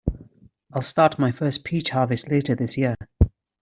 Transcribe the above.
I'll start my first peach harvest later this year.